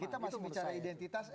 kita masih bicara identitas